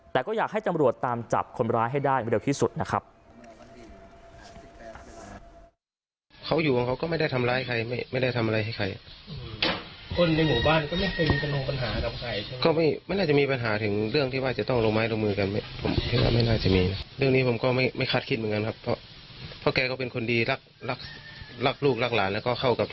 แต่ก็อยากให้ตำรวจตามจับคนร้ายให้ได้เร็วที่สุดนะครับ